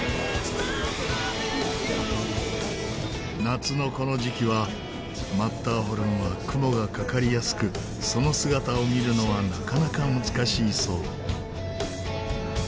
夏のこの時期はマッターホルンは雲がかかりやすくその姿を見るのはなかなか難しいそう。